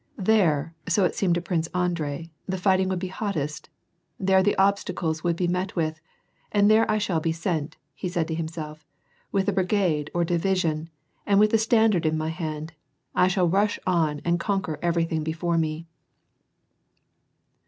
There, so it seemed to Prince Andrei, the fighting would be hottest, there the obstacles would be met with ;" and there I shall be sent," he said to himself, ^^ with a brigade or division, and with the standard in my hand, I shall rush on and con quer everything before me.